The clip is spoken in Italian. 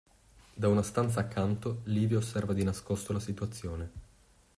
Da una stanza accanto Livia osserva di nascosto la situazione.